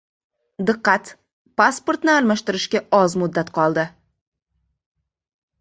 Diqqat! Pasportni almashtirishga oz muddat qoldi